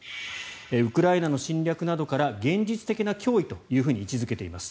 ウクライナの侵略などから現実的な脅威と位置付けています。